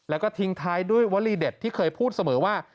แล้วก็ทิ้งท้ายด้วยวลีเด็ดที่เคยพูดเสมอว่า